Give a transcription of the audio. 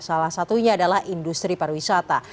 salah satunya adalah industri pariwisata